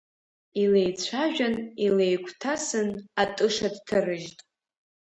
Илеицәажәан, илеигәҭасын атыша дҭарыжьт.